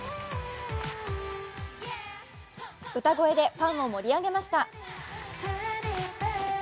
歌声でファンを盛り上げました。